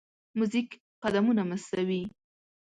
موزیک قدمونه مستوي.